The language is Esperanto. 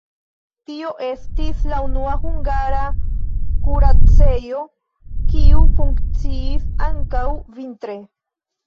Tio estis la unua hungara kuracejo, kiu funkciis ankaŭ vintre.